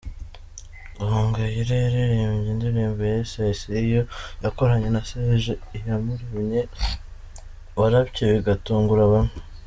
Gahongayire yaririmbye indirimbo yise "I see you" yakoranye na Serge Iyamuremye warapye bigatungura bamwe.